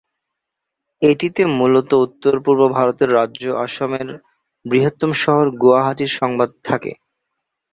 এটিতে মূলত উত্তর পূর্ব ভারতের রাজ্য আসামের বৃহত্তম শহর গুয়াহাটির সংবাদ থাকে।